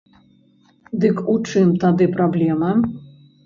Дык у чым тады праблема?